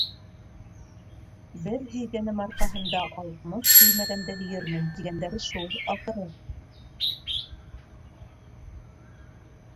Бер һөйгәнем арҡаһында алтмыш һөймәгәнде һөйөрмөн, тигәндәре шул, ахыры...